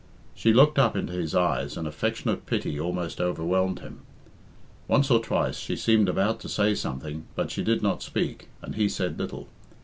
She looked up into his eyes and affectionate pity almost overwhelmed him. Once or twice she seemed about to say something, but she did not speak, and he said little.